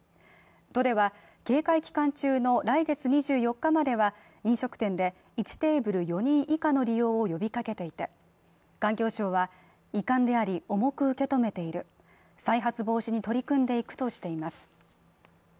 都では、警戒期間中の来月２４日までは飲食店で１テーブル４人以下の利用を呼びかけていて環境省は、遺憾であり、重く受け止めている、再発防止に取り組んでいくとしています。